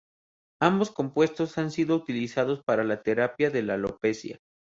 Ambos compuestos han sido utilizados para la terapia de la alopecia.